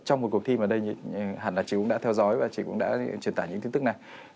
trong một cuộc thi mà đây hẳn là chị cũng đã theo dõi và chị cũng đã truyền tải những tin tức này